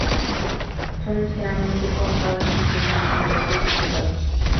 Son ligeramente cóncavas y tienen los contornos decorados.